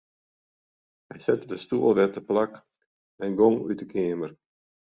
Hy sette de stoel wer teplak en gong út 'e keamer.